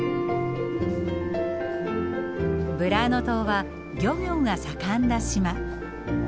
ブラーノ島は漁業が盛んな島。